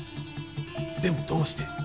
でもどうして？